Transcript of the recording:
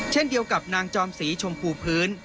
เช่นเดียวกับนางจอมศรีชมพูพื้น